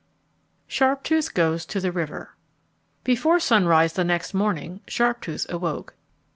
Sharptooth Goes to the River Before sunrise the next morning Sharptooth awoke.